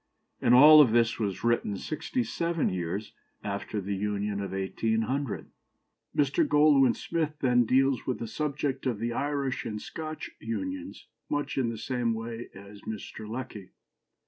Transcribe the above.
" And all this was written sixty seven years after the Union of 1800. Mr. Goldwin Smith then deals with the subject of the Irish and Scotch unions much in the same way as Mr. Lecky.